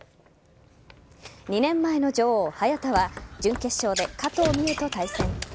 ２年前の女王・早田は準決勝で加藤美優と対戦。